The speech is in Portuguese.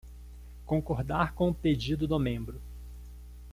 Concordar com o pedido do membro